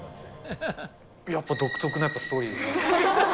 やっぱ独特のストーリーですね。